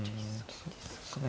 そうですかね。